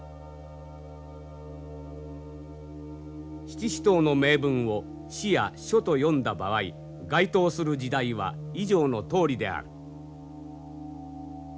七支刀の銘文を「始」や「初」と読んだ場合該当する時代は以上のとおりである。